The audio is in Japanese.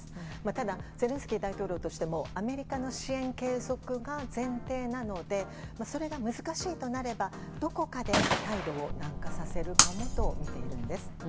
ただゼレンスキー大統領としてもアメリカの支援継続が前提なのでそれが難しいとなればどこかで態度を軟化させるかもと見ているんです。